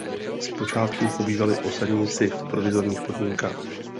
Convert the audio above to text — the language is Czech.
Zpočátku pobývali osadníci v provizorních podmínkách.